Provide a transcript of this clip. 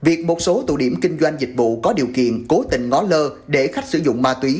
việc một số tụ điểm kinh doanh dịch vụ có điều kiện cố tình ngó lơ để khách sử dụng ma túy